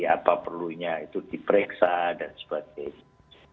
apa perlunya itu diperiksa dan sebagainya